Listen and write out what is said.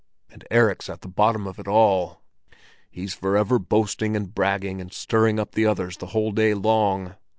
And Erik's at the bottom of it all! He's forever boasting and bragging and stirring up the others the whole day long.